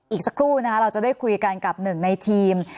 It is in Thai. อีกสักครู่นะคะเราจะได้คุยกันกับหนึ่งในทีม